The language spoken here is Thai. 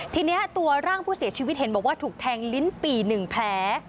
ทีนี้ตัวร่างผู้เสียชีวิตเห็นบอกว่าถูกแทงลิ้นปี่๑แผล